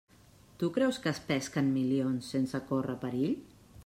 Tu creus que es pesquen milions sense córrer perill?